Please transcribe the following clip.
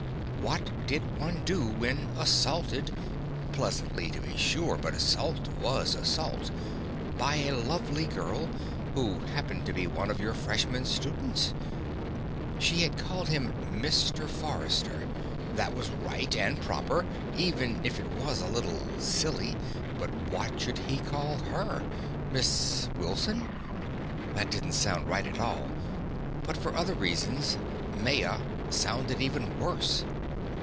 What did one do when assaulted (pleasantly, to be sure, but assault was assault) by a lovely girl who happened to be one of your freshman students? She had called him Mr. Forrester. That was right and proper, even if it was a little silly. But what should he call her? Miss Wilson? That didn't sound right at all. But, for other reasons, Maya sounded even worse.